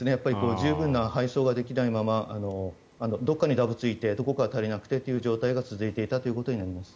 十分な配送ができないままどこかにだぶついてどこかに足りない状況が続いていたということだと思います。